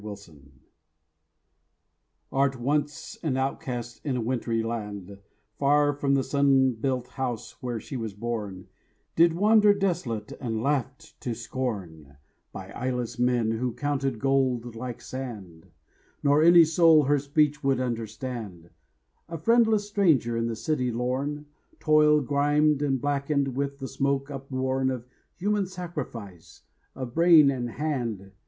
RENASCENCE ART, once an outcast in a wintry land, Far from the sun built house where she was born, Did wander desolate and laughed to scorn By eyeless men who counted gold like sand: Nor any soul her speech would understand— A friendless stranger in the city lorn, Toil grimed and blackened with the smoke upborne Of human sacrifice of brain and hand.